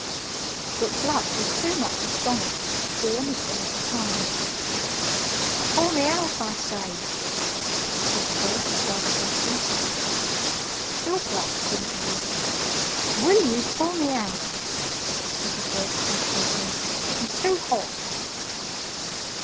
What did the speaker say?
But Gluck was too much astonished to do anything of the kind. "Pour me out, I say," said the voice rather gruffly. Still Gluck couldn't move. "WILL you pour me out?" said the voice passionately. "I'm too hot."